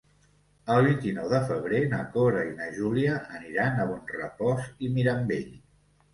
El vint-i-nou de febrer na Cora i na Júlia aniran a Bonrepòs i Mirambell.